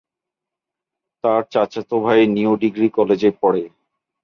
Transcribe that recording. তার চাচাতো ভাই নিউ ডিগ্রি কলেজে পড়ে।